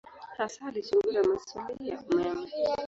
Hasa alichunguza maswali ya umeme.